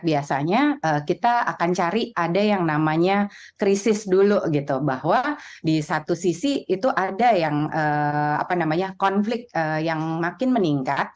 biasanya kita akan cari ada yang namanya krisis dulu gitu bahwa di satu sisi itu ada yang konflik yang makin meningkat